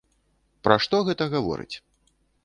Пра што гэта гаворыць?